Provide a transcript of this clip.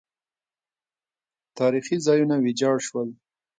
تاریخي ځایونه ویجاړ شول